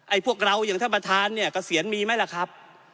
พวกเราอย่างท่านประธานเนี่ยเกษียณมีไหมล่ะครับ